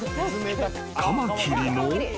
［カマキリの］